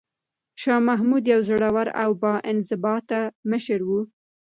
شاه محمود یو زړور او با انضباطه مشر و.